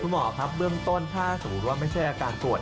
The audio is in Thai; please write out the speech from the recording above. หมอครับเบื้องต้นถ้าสมมุติว่าไม่ใช่อาการปวด